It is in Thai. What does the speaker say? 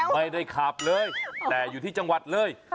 ไม่ได้ขับเลยแต่อยู่ที่จังหวัดเลย